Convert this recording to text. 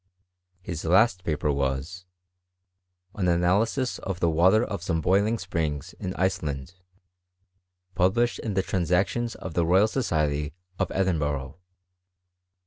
His last paper was '^ An Analysis of the Water of some boiling Springs in . Iceland,'' published in thB Transactions of the Royal Society of Edinburgh.